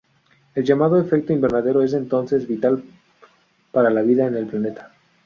El llamado efecto invernadero es entonces, vital para la vida en el planeta.